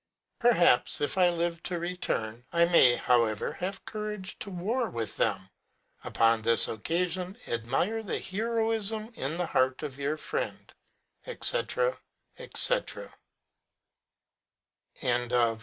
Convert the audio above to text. Perhaps, if I live to return, 1 may, however, have courage to war with them. Upon this occasion admire the heroism in the heart of your friend. Life at Vienna in 1716.